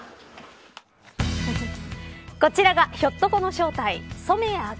こちらが、ひょっとこの正体染谷岳